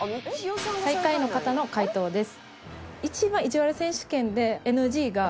最下位の方の回答です。